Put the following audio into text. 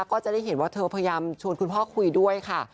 ก็จะได้เห็นว่าเธอพยายามชวนคุณพ่อคุยด้วยค่ะ